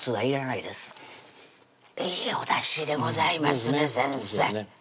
いいおだしでございますね先生